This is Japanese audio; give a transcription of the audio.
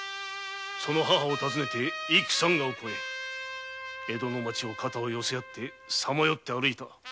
その母を訪ねて幾山河を越え江戸の町を肩を寄せ合ってさまよい歩いた幼子。